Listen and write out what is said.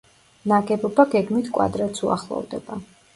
ნაგებობა გეგმით კვადრატს უახლოვდება.